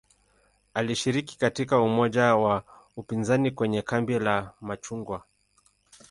Alishiriki katika umoja wa upinzani kwenye "kambi la machungwa".